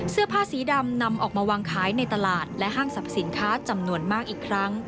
เสื้อผ้าสีดำนำออกมาวางขายในตลาดและห้างสรรพสินค้าจำนวนมากอีกครั้ง